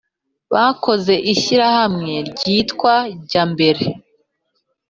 bakoze ishyirahamwe ryitwa jyambere